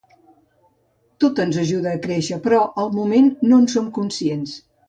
Tot ens ajuda a créixer, però al moment no en som conscients.